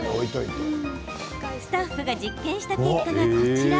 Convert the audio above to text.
スタッフが実験した結果がこちら。